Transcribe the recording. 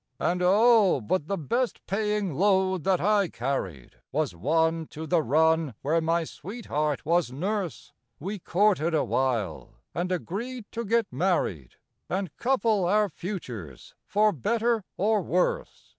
And, oh! but the best paying load that I carried Was one to the run where my sweetheart was nurse. We courted awhile, and agreed to get married, And couple our futures for better or worse.